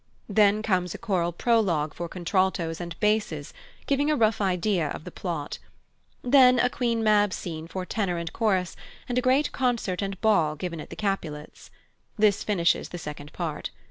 Then comes a choral prologue for contraltos and basses, giving a rough idea of the plot. Then a Queen Mab scene for tenor and chorus, and a great concert and ball given at the Capulets'. This finishes the second part.